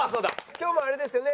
今日もあれですよね？